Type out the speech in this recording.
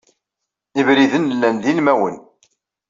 Ibriden llan d ilmawen.